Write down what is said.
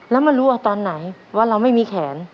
แล้วมารู้เอาตอนไหนว่าเราไม่มีแขน